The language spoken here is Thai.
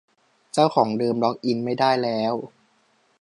เจ้าของเดิมล็อกอินไม่ได้แล้ว